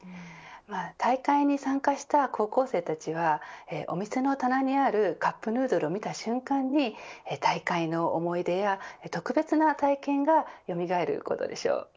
大会に参加した高校生たちはお店の棚にあるカップヌードルを見た瞬間に大会の思い出や特別な体験がよみがえることでしょう。